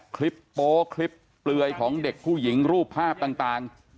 โป๊คลิปเปลือยของเด็กผู้หญิงรูปภาพต่าง